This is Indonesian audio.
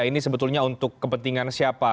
ini sebetulnya untuk kepentingan siapa